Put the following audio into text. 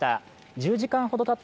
１０時間たった